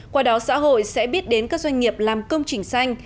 qua đó xã hội sẽ biết đến các doanh nghiệp làm công trình xanh